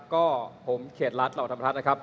ก็ผมเขตรัฐเหล่าธรรมรัฐนะครับ